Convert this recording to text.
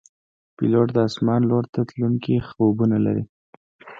پیلوټ د آسمان لور ته تلونکي خوبونه لري.